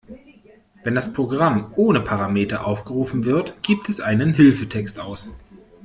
Wenn das Programm ohne Parameter aufgerufen wird, gibt es einen Hilfetext aus.